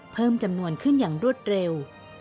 เพิ่มจำนวนขึ้นอย่างรวดเร็ว